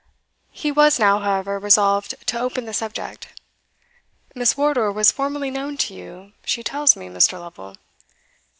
He was now, however, resolved to open the subject. "Miss Wardour was formerly known to you, she tells me, Mr. Lovel?"